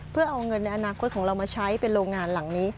เพื่อเอาเงินในอนาคตของเรามาใช้เป็นโรงงานหลังนี้